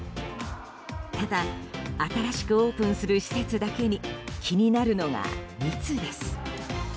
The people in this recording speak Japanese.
ただ新しくオープンする施設だけに気になるのが密です。